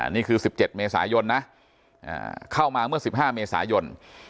นี่คือ๑๗เมษายนนะเข้ามาเมื่อ๑๕เมษายน